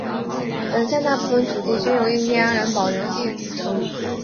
本县大部份土地均由印第安人保留地组成。